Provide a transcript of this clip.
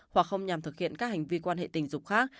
hoặc không nhằm thực hiện các hành vi quan hệ tình dục khác